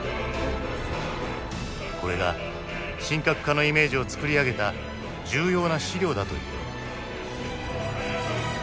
これが神格化のイメージを作り上げた重要な資料だという。